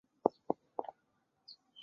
奠定其在香港乐坛上举足轻重的地位。